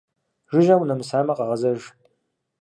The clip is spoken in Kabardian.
Жыжьэ унэмысамэ, къэгъэзэж.